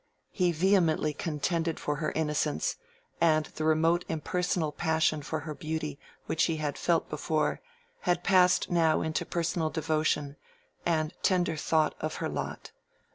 He vehemently contended for her innocence, and the remote impersonal passion for her beauty which he had felt before, had passed now into personal devotion, and tender thought of her lot.